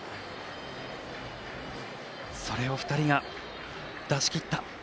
それを２人が出しきった。